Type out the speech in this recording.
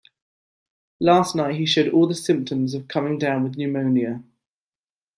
Last night he showed all the symptoms of coming down with pneumonia.